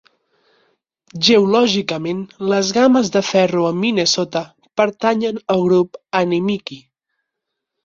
Geològicament, les gammes de ferro a Minnesota pertanyen al Grup Animikie.